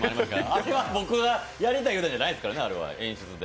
あれは僕がやりたいわけじゃないですからね、あれは演出で。